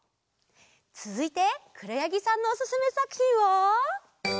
つづいてくろやぎさんのおすすめさくひんは？